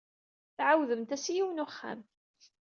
Tɛawdemt-as i yiwen n uxxam.